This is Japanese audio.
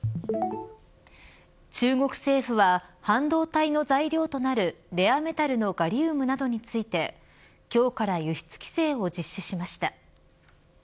中国政府は半導体の材料となるレアメタルのガリウムなどについて今日から輸出規制を実施しました。